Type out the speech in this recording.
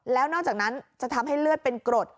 แล้วนอกจากนั้นจะทำให้เลือดเป็นกรด